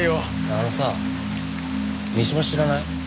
あのさ三島知らない？